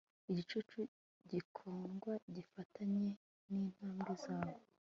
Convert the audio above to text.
igicucu gikundwa gifatanye n'intambwe zawe